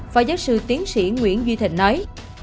phó giáo sư tiến sĩ nguyễn duy thịnh nói